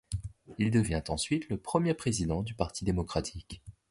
Il devient ensuite le premier président du Parti démocratique.